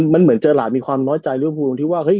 มันเหมือนเจอร์หลัดมีความน้อยใจเรื้อพูตรงที่ว่า